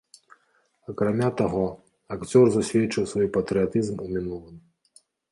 Акрамя таго, акцёр засведчыў свой патрыятызм у мінулым.